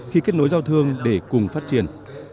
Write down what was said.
khi kết nối giao thương để cùng phát triển